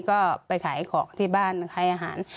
ก็ไปขายของที่บ้านขายอาหาร